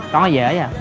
chó nó dễ vậy à